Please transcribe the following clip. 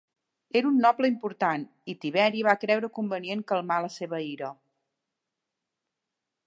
Era un noble important, i Tiberi va creure convenient calmar la seva ira.